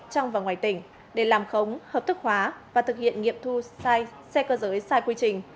trong và ngoài tỉnh để làm khống hợp thức hóa và thực hiện nghiệm thu xe cơ giới sai quy trình